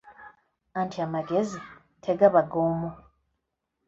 Anti amagezi tegaba g'omu.